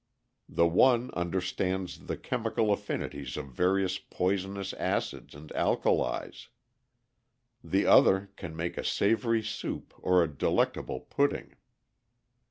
The one understands the chemical affinities of various poisonous acids and alkalies; The other can make a savory soup or a delectable pudding.